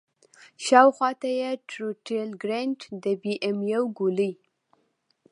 شاوخوا ته يې ټروټيل ګرنېټ د بي ام يو ګولۍ.